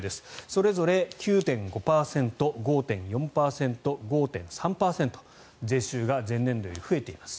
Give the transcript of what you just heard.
それぞれ９．５％５．４％、５．３％税収が前年度より増えています。